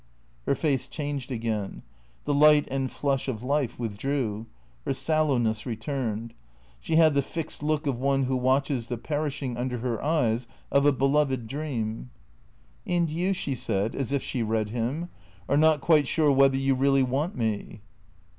Her face changed again. The light and flush of life with drew. Her sallowness returned. She had the fixed look of one who watches the perishing under her eyes of a beloved dream. " And you," she said, as if she read him, " are not quite sure whether you really want me